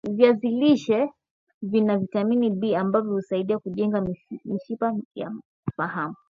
viazi lishe Vina vitamini B ambayo husaidia kujenga mishipa ya faham